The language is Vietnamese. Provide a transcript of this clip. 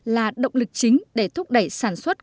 là động lực chính để thúc đẩy sản xuất